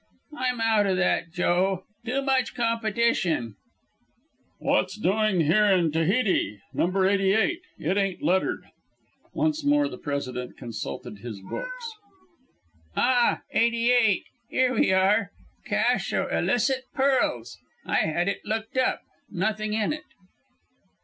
"I'm out o' that, Joe. Too much competition." "What's doing here in Tahiti No. 88? It ain't lettered." Once more the President consulted his books. "Ah! 88. Here we are. Cache o' illicit pearls. I had it looked up. Nothing in it."